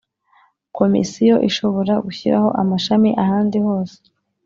Komisiyo ishobora gushyiraho amashami ahandi hose